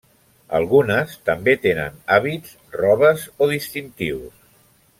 Algunes també tenen hàbits, robes o distintius.